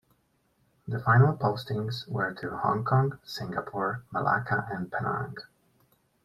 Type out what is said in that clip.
The final postings were to Hong Kong, Singapore, Malacca and Penang.